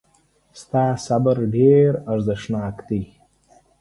ستا صبر ډېر ارزښتناک دی.